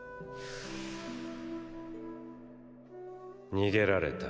逃げられた。